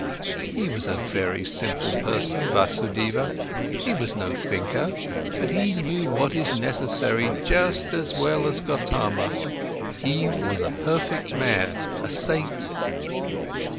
He was a very simple person, Vasudeva, he was no thinker, but he knew what is necessary just as well as Gotama, he was a perfect man, a saint."